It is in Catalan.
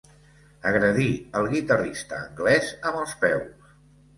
Agredir el guitarrista anglès amb els peus.